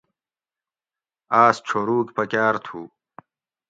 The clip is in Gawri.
آس چھوروگ پکاۤر تھو